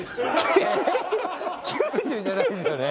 ９０じゃないですよね。